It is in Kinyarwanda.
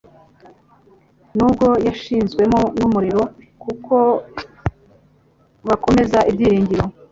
nubwo yashizwemo n'umuriro kuko bakomeza Ibyiringiro